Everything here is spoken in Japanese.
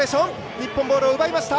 日本ボールを奪いました。